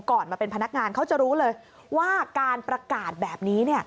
มาเป็นพนักงานเขาจะรู้เลยว่าการประกาศแบบนี้